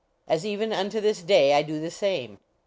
As even unto this day I do the same.